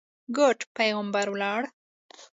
ګوډ پېغمبر ولاړ.